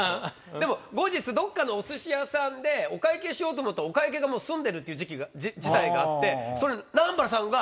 でも後日どっかのお寿司屋さんでお会計しようと思ったらお会計がもう済んでるっていう事態があってそれ。